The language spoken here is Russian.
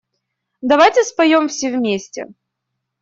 Давайте споем все вместе.